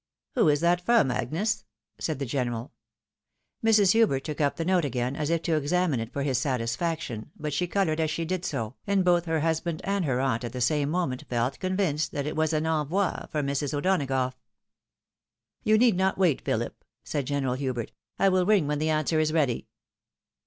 " Who is that from, Agnes ?" said the general. Mrs. Hubert took up the note again, as if to examine it for his satisfaction, but she coloured as she did so, and both her husband and her aunt at the same moment, felt convinced that it was an envoi from Mrs. O'Donagough. " You need not wait, Philip," said General Hubert, " I wiU ring when the answer is ready."